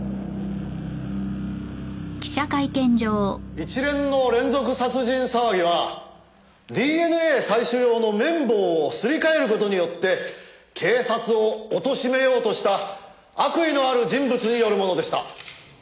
「一連の連続殺人騒ぎはＤＮＡ採取用の綿棒をすり替える事によって警察をおとしめようとした悪意のある人物によるものでした」